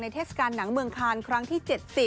เทศกาลหนังเมืองคานครั้งที่๗๐